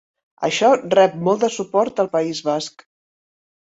Això rep molt de suport al País Basc.